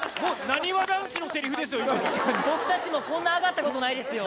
なにわ男子のセリフですよ